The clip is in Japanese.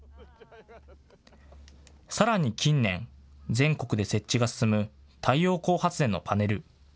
さらに近年、全国で設置が進む太陽光発電のパネル。